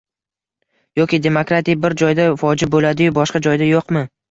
Yoki demokratiya bir joyda vojib bo‘ladi-yu, boshqa joyda yo‘qmi?